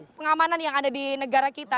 pengamanan yang ada di negara kita